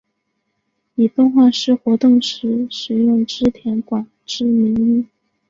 以动画师活动时使用织田广之名义。